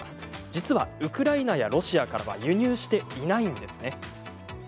実は、ウクライナやロシアからは輸入していないんですね。